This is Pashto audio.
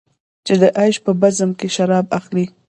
چې د عیش په بزم کې شراب اخلې.